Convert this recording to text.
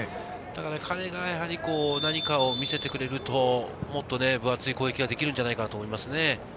彼が何かを見せてくれると、もっと分厚い攻撃ができるんじゃないかと思いますね。